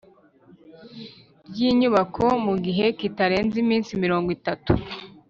Ry inyubako mu gihe kitarenze iminsi mirongo itatu